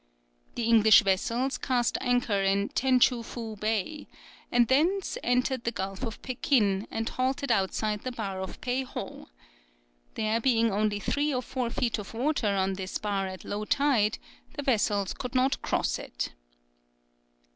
The English vessels cast anchor in Ten chou Fou Bay, and thence entered the gulf of Pekin, and halted outside the bar of Pei Ho. There being only three or four feet of water on this bar at low tide, the vessels could not cross it.